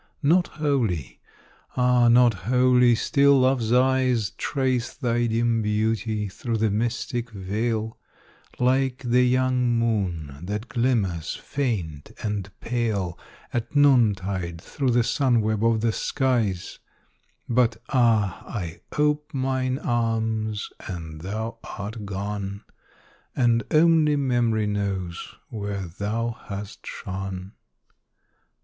Not wholly ah! not wholly still Love's eyes Trace thy dim beauty through the mystic veil, Like the young moon that glimmers faint and pale, At noontide through the sun web of the skies; But ah! I ope mine arms, and thou art gone, And only Memory knows where thou hast shone.